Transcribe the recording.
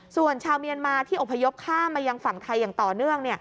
ส่วนชาวเมียนมาที่อพยพข้ามมายังฝั่งไทยอย่างต่อเนื่อง